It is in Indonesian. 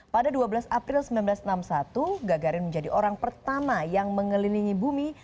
pada dua belas april seribu sembilan ratus enam puluh satu gagarin menjadi orang pertama yang mengelilingi bumi